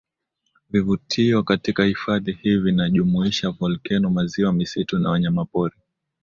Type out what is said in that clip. vivutio katika hifadhi hii vinajumuisha volkeno maziwa misitu na wanyamapori